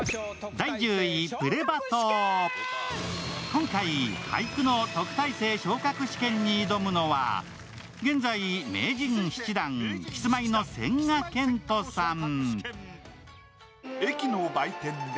今回、俳句の特待生昇格試験に挑むのは現在名人七段、キスマイの千賀健永さん。